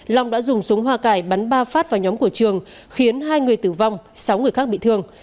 long đã dùng súng hoa cải bắn ba phát vào nhóm của trường khiến hai người tử vong sáu người khác bị thương